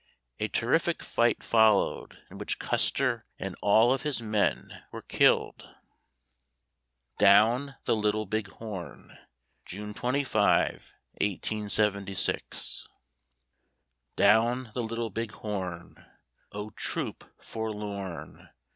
A terrific fight followed, in which Custer and all of his men were killed. DOWN THE LITTLE BIG HORN June 25, 1876 Down the Little Big Horn (O troop forlorn!)